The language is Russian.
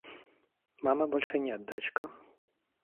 Мамы больше нет, дочка.